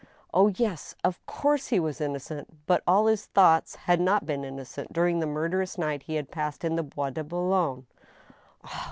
Oh, yes !— of course he was innocent ! But all his thoughts had not been innocent during the murderous night he had passed in the Bois de Boulogne.